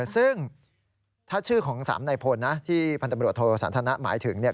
ซึ่งถ้าชื่อของสามนายพลที่พันธมรัชโธษฎราณาธุกตัวไง